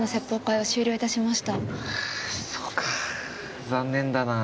はぁそうか残念だな。